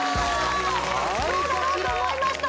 そうだろうと思いました